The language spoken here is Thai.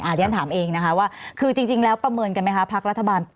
เดี๋ยวฉันถามเองนะคะว่าคือจริงแล้วประเมินกันไหมคะพักรัฐบาล